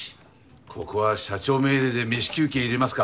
ここは社長命令でメシ休憩入れますか。